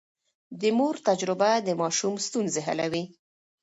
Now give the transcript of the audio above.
د مور تجربه د ماشوم ستونزې حلوي.